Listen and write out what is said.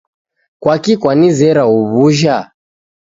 Kwaki kwanizera uw'ujha?